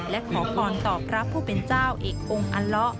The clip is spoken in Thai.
และขอพรต่อพระผู้เป็นเจ้าเอกองค์อัลละ